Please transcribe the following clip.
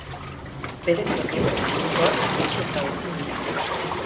Bere propietate kimikoak gutxi ezagutzen dira.